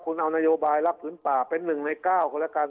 คุณเอานโยบายรับทุนป่าเป็นหนึ่งในเก้าของรากัด